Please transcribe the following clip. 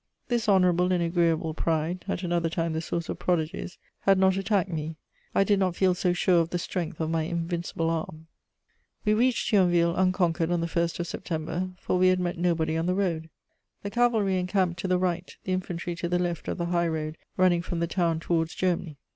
This honourable and agreeable pride, at another time the source of prodigies, had not attacked me: I did not feel so sure of the strength of my invincible arm. We reached Thionville unconquered on the 1st of September; for we had met nobody on the road. The cavalry encamped to the right, the infantry to the left of the high road running from the town towards Germany.